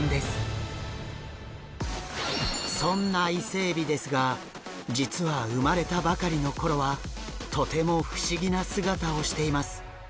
そんなイセエビですが実は生まれたばかりの頃はとても不思議な姿をしています。